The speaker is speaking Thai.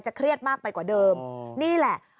เครียดมากไปกว่าเดิมนี่แหละ